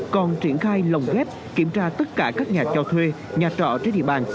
còn triển khai lồng ghép kiểm tra tất cả các nhà cho thuê nhà trọ trên địa bàn